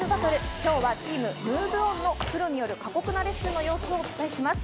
今日はチームＭｏｖｅＯｎのプロによる過酷なレッスンの様子をお伝えします。